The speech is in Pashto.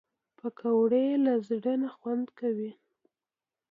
پکورې له زړه نه خوند کوي